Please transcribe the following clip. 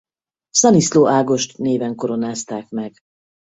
Szaniszló Ágost néven koronázták meg.